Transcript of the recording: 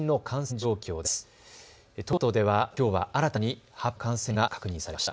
東京都ではきょうは新たに８９６人の感染が確認されました。